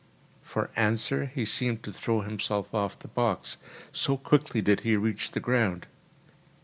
For answer he seemed to throw himself off the box, so quickly did he reach the ground.